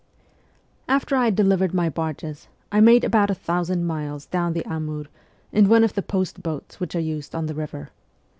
After I had delivered my barges, I made about a thousand miles down the Amur in one of the post boats which are used on the river.